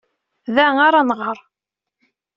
Da ara nɣer.